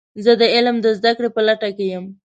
زه د علم د زده کړې په لټه کې یم.